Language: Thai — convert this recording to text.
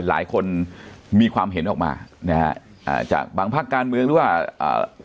หลายคนมีความเห็นออกมานะฮะอ่าจากบางภาคการเมืองหรือว่าอ่า